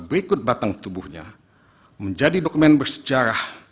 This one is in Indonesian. berikut batang tubuhnya menjadi dokumen bersejarah